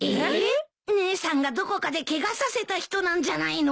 姉さんがどこかでケガさせた人なんじゃないの？